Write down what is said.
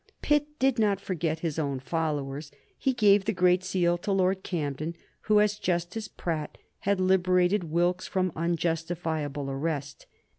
Pitt did not forget his own followers. He gave the Great Seal to Lord Camden, who, as Justice Pratt, had liberated Wilkes from unjustifiable arrest.